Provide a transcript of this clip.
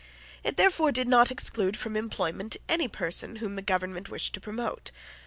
It therefore did not exclude from employment any person whom the government wished to promote.